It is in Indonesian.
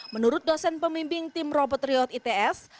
menurut dosen pemimpin tim robot riot its